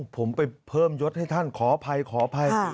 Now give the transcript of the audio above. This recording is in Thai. ผมไปเพิ่มยศให้ท่านขออภัยขออภัย